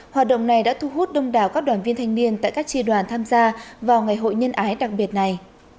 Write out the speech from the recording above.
hoạt động này đã thu hút đông đảo các đoàn viên thanh niên tại các tri đoàn tham gia vào ngày hội nhân ái đặc biệt này